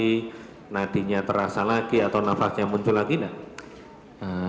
jadi nadinya terasa lagi atau nafasnya muncul lagi enggak